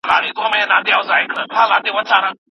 ځنګلونه د ځمکې سږي دي.